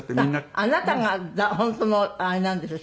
あっあなたが本当のあれなんですよね？